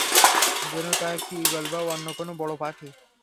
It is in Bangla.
যেন তা একটি ঈগল বা অন্য কোন বড় পাখি।